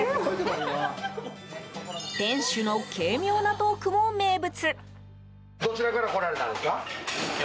店主の軽妙なトークも名物。